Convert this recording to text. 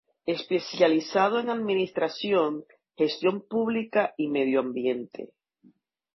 Especializado en Administración, Gestión Pública y Medio Ambiente.